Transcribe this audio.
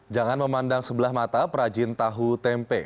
jangan memandang sebelah mata perajin tahu tempe